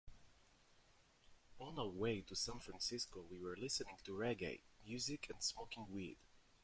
On our way to San Francisco, we were listening to reggae music and smoking weed.